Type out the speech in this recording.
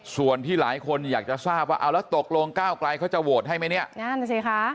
ส่วนที่หลายคนอยากจะทราบว่าเอาแล้วตกลงก้าวไกลเขาจะโหวตให้ไหมเนี่ยนั่นสิคะ